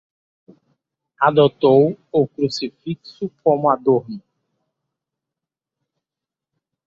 Adotou o crucifixo como adorno